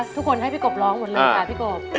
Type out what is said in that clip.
ทุกคนให้พี่กบร้องหมดเลยค่ะพี่กบ